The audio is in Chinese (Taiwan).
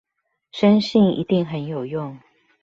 深信一定很有用